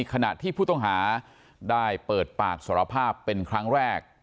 ขณะที่ผู้ต้องหาได้เปิดปากสารภาพเป็นครั้งแรก